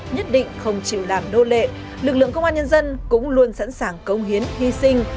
nhất định không chịu làm nô lệ lực lượng công an nhân dân cũng luôn sẵn sàng công hiến hy sinh